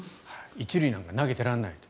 １塁なんか投げてられない。